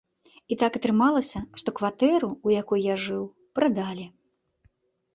І так атрымалася, што кватэру, у якой я жыў, прадалі.